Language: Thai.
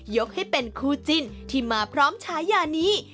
ยกให้เป็นคู่จิ้นที่มาพร้อมฉายานี้